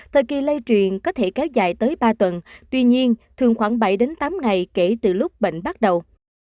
thời kỳ lây truyền có thể kéo dài tới ba tuần tuy nhiên thường khoảng bảy tám ngày kể từ lúc bệnh bắt đầu